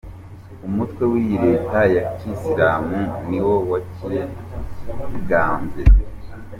Umutwe wiyita leta ya kisilamu ni wo wacyigambye.